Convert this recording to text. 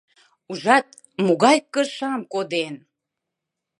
Ужат, могай кышам коден?